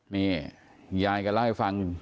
นี่ยายก็เล่าให้ฟัง